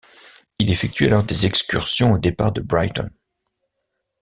Il effectue alors des excursions au départ de Brighton.